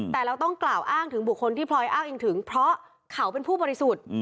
แต่เราต้องกล่าวอ้างถึงบุคคลที่พลอยอ้างอิงถึงเพราะเขาเป็นผู้บริสุทธิ์